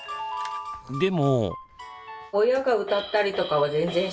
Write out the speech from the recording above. でも。